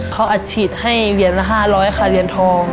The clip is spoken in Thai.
เขาอัดฉีดให้เหรียญละ๕๐๐ค่ะเหรียญทอง